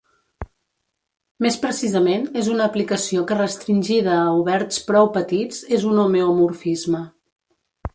Més precisament, és una aplicació que restringida a oberts prou petits és un homeomorfisme.